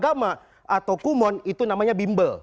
dama atau kumon itu namanya bimbel